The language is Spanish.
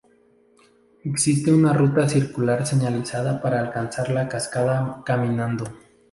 Existe una ruta circular señalizada para alcanzar la cascada caminando.